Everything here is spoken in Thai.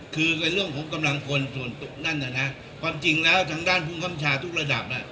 คือเป็นเรื่องของกำลังพลส่วนตกนั่นน่ะนะความจริงแล้วทางด้านภูมิคำชาทุกระดับน่ะ